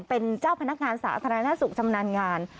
เป็นเจ้าพนักงานสาธารณสุขชำนาญงาน